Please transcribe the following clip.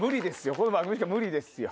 この番組しか無理ですよ。